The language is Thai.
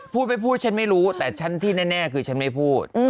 พูดไม่พูดฉันไม่รู้แต่ฉันที่แน่คือฉันไม่พูด